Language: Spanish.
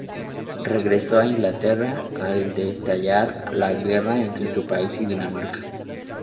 Regresó a Inglaterra al estallar la guerra entre su país y Dinamarca.